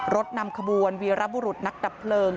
รถนำขบวนวีรบุรุษนักดับเพลิง